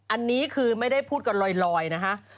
อันนี้คือไม่ได้พูดกันลอยนะคะ